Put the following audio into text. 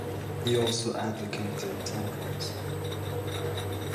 He also advocated temperance.